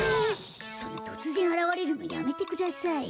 そのとつぜんあらわれるのやめてください。